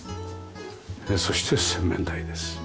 そして洗面台です。